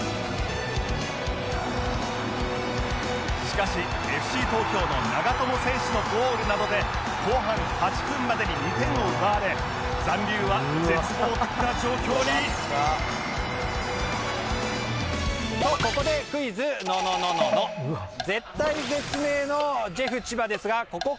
しかし ＦＣ 東京の長友選手のゴールなどで後半８分までに２点を奪われ残留は絶望的な状況にとここでクイズ！！ののののの！！！！！え？